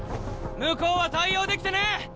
向こうは対応できてねえ。